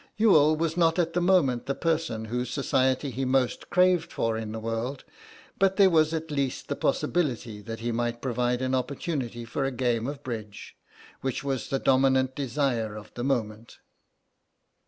Youghal was not at the moment the person whose society he most craved for in the world, but there was at least the possibility that he might provide an opportunity for a game of bridge, which was the dominant desire of the moment.